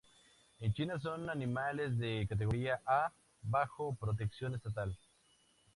En China son animales de categoría A, bajo protección estatal.